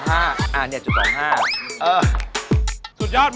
เอาไหมอร่อยไงอยู่ที่หมอ